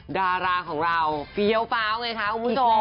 ดาราของเราเฟี้ยวฟ้าวไงคะคุณผู้ชม